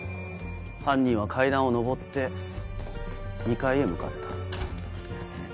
犯人は階段を上って２階へ向かった。